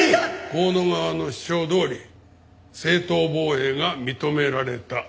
香野側の主張どおり正当防衛が認められた。